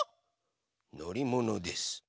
のりものです。